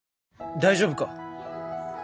大丈夫か？